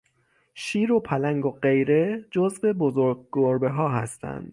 شیر و پلنگ و غیره جزو بزرگ گربهها هستند.